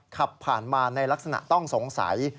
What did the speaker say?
ขับผ่านมาในลักษณะต้องสงสัย